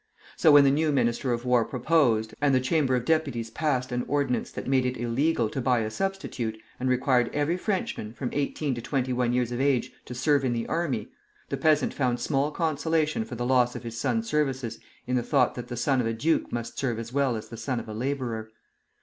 So when the new Minister of War proposed, and the Chamber of Deputies passed, an ordinance that made it illegal to buy a substitute, and required every Frenchman, from eighteen to twenty one years of age, to serve in the army, the peasant found small consolation for the loss of his sons' services in the thought that the son of a duke must serve as well as the son of a laborer.